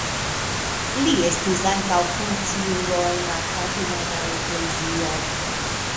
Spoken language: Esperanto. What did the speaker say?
Li estis ankaŭ funkciulo en la kalvinana eklezio.